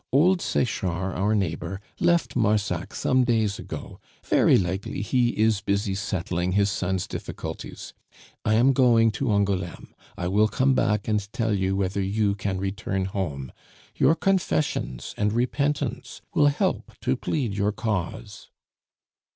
Old Sechard, our neighbor, left Marsac some days ago; very likely he is busy settling his son's difficulties. I am going to Angouleme; I will come back and tell you whether you can return home; your confessions and repentance will help to plead your cause."